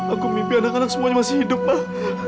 aku mimpi anak anak semuanya masih hidup ah